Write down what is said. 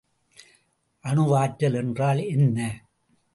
அணுவாற்றல் என்றால் என்ன?